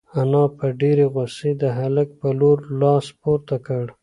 انا په ډېرې غوسې د هلک په لور لاس پورته کړ.